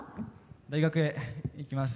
大学へ行きます。